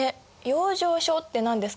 養生所って何ですか？